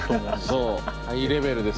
そう。